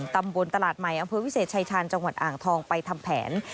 ตำบลตลาดใหม่อำเภอวิเศษชายชาญจังหวัดอ่างทองไปทำแผน